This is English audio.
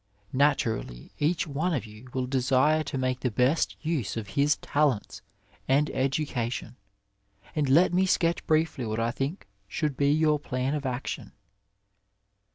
Naturally each one of you will desire to make the best use«of his talents and education, and let me sketch briefly what I think should be your plan of action.